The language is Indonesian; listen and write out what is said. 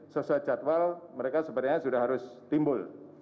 sesuai jadwal mereka sebenarnya sudah harus timbul